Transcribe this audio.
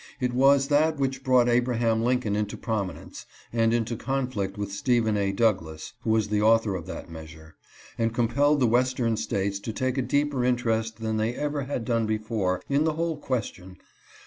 It was that which brought Abraham Lincoln into promi nence, and into conflict with Stephen A. Douglas (who was the author of that measure) and compelled the Western States to take a deeper interest than they ever had done before in the whole question.